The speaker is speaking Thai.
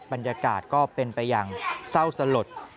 บรรยากาศก็เป็นไปอย่างเศร้าสลด